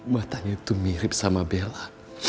matanya itu mirip sama bella